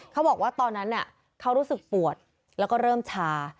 เขาบอกว่าตอนนั้นเขารู้สึกปวดแล้วก็เริ่มชา